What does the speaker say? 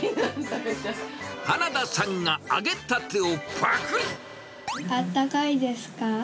花田さんが揚げたてをぱくり。